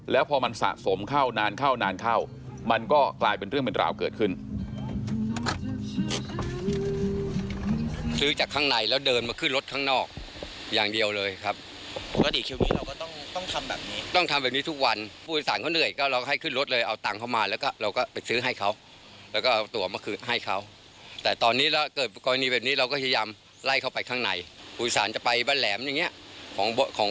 แล้วพอมันสะสมเข้านานเข้านานเข้ามันก็กลายเป็นเรื่องเป็นราวเกิดขึ้น